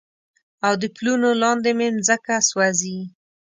او د پلونو لاندې مې مځکه سوزي